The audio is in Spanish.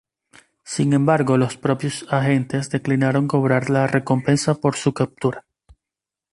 Sin embargo, los propios agentes declinaron cobrar la recompensa por su captura.